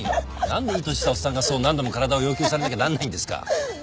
何でいい年したおっさんがそう何度も体を要求されなきゃなんないんですか。